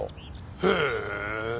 へえ。